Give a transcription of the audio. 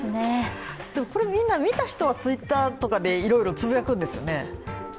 これみんな見た人は、Ｔｗｉｔｔｅｒで、いろいろつぶやくんですよね。